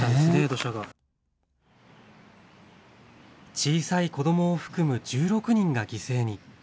小さい子どもを含む１６人が犠牲に。